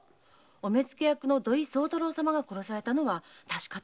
目付・土井相太郎様が殺されたのは確かとです。